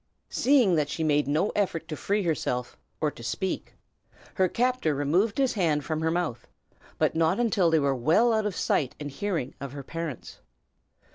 Seeing that she made no effort to free herself, or to speak, her captor removed his hand from her mouth; but not until they were well out of sight and hearing of her parents.